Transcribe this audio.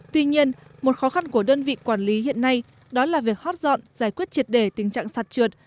tuy nhiên một khó khăn của đơn vị quản lý hiện nay đó là việc hot dọn giải quyết triệt đề tình trạng sạt trượt